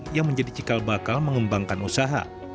yang menjadi cikal bakal mengembangkan usaha